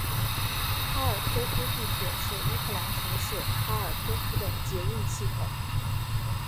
哈尔科夫地铁是乌克兰城市哈尔科夫的捷运系统。